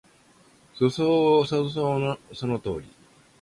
そうそうそうそう、その通り